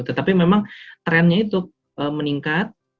tetapi memang trennya itu meningkat